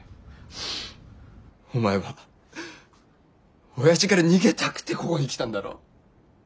お前はおやじから逃げたくてここに来たんだろ？